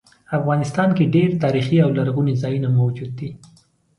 افغانستان کې ډیر تاریخي او لرغوني ځایونه موجود دي